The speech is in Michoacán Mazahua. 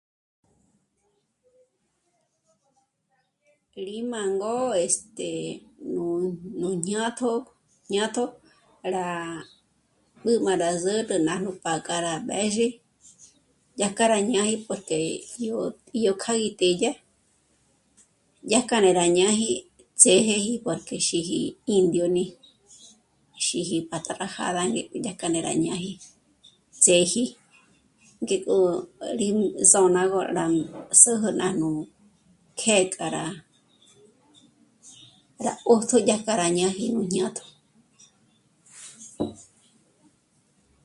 "Rí mângo, este... nú jñátjo jñátjo rá b'ǘ'ü má rá zǚrü nájnú pá'a k'a b'ë̌zhi dyájkja rá ñáji porque yó... yó kjâ'a i tédya dyàjkja né rá ñáji ts'ë́jëji porque xíji ""indioni"", xíji ""pata rajada"" ngék'o dyàjkja ñé rá ñáji, ts'ë́ji ngék'o pa rí s'ôn'agö ná zǜjü nájnú kjë̌'ë kjâ'a rá... rá 'ö́jtjü dyàjkja ñáji nú jñátjo"